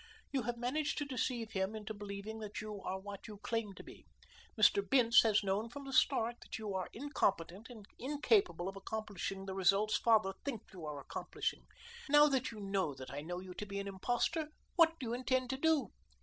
"You have managed to deceive him into believing that you are what you claim to be. Mr. Bince has known from the start that you are incompetent and incapable of accomplishing the results father thinks you are accomplishing. Now that you know that I know you to be an impostor, what do you intend to do?"